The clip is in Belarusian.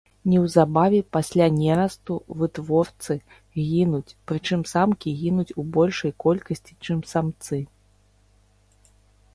Неўзабаве пасля нерасту вытворцы гінуць, прычым самкі гінуць у большай колькасці, чым самцы.